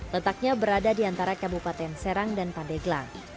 letaknya berada di antara kabupaten serang dan pandeglang